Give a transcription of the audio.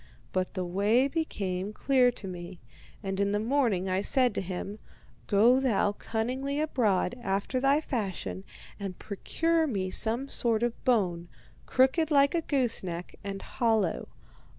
But the way became clear to me, and in the morning I said to him: 'Go thou cunningly abroad, after thy fashion, and procure me some sort of bone, crooked like a goose neck, and hollow.